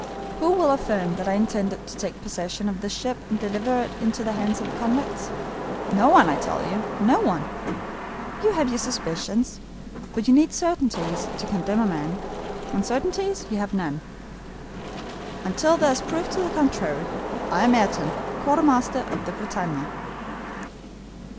Who will affirm that I intended to take possession of this ship and deliver it into the hands of the convicts? No one, I tell you, no one. You have your suspicions, but you need certainties to condemn a man, and certainties you have none. Until there is a proof to the contrary, I am Ayrton, quartermaster of the BRITANNIA."